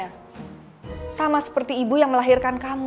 sama seperti ibu yang melahirkan diri kamu sama seperti ibu yang melahirkan diri kamu